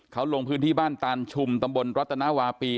เขาลงพื้นที่บ้านตานชุมตำบลรัตนาวาปี